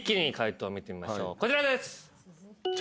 こちらです。